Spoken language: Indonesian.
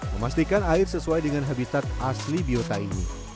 memastikan air sesuai dengan habitat asli biota ini